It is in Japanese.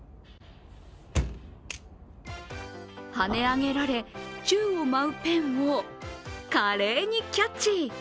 跳ね上げられ、宙を舞うペンを、華麗にキャッチ。